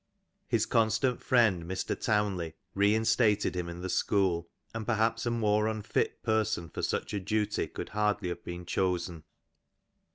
His constant friend Mr. Townley reinstated him in the school, and perhaps a more unfit person for such a duty could hardly have been chosen.